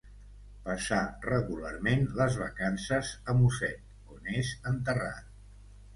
Passà regularment les vacances a Mosset, on és enterrat.